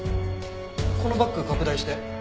このバッグ拡大して。